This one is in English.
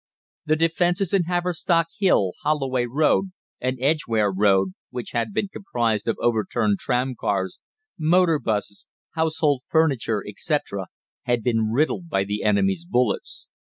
The defences in Haverstock Hill, Holloway Road, and Edgware Road, which had been composed of overturned tramcars, motor 'buses, household furniture, etc., had been riddled by the enemy's bullets.